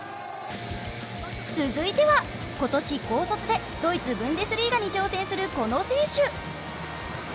続いては今年高卒でドイツ・ブンデスリーガに挑戦するこの選手。